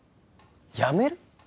辞める？